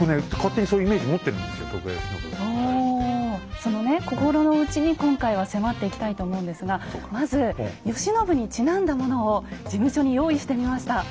そのね心の内に今回は迫っていきたいと思うんですがまず慶喜にちなんだものを事務所に用意してみました。